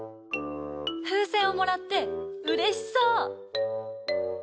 ふうせんをもらってうれしそう！